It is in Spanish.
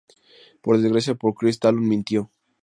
Por desgracia para Chris, Talon mintió.